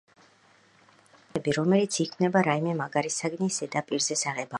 მხატვრული ნაწარმოები, რომელიც იქმნება რაიმე მაგარი საგნის ზედაპირზე საღებავებით.